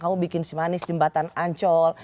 kamu bikin si manis jembatan ancol